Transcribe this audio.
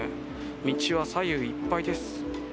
道は左右いっぱいです。